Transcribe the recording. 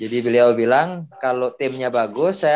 jadi beliau bilang kalau timnya bagus lah ya